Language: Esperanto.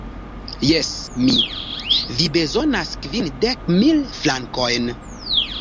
Jes, mi! Vi bezonas kvindek mil frankojn?